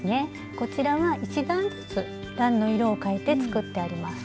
こちらは１段ずつ段の色を変えて作ってあります。